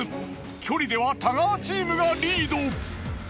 距離では太川チームがリード。